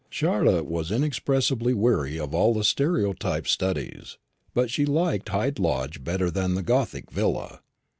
Charlotte was inexpressibly weary of all the stereotyped studies; but she liked Hyde Lodge better than the gothic villa.